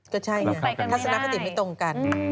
ก็ใช่คลาศนาคติไม่ตรงกัน